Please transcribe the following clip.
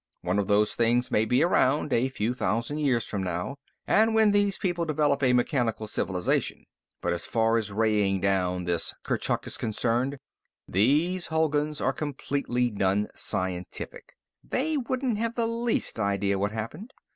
One of those things may be around, a few thousand years from now, when these people develop a mechanical civilization. But as far as raying down this Kurchuk is concerned, these Hulguns are completely nonscientific. They wouldn't have the least idea what happened.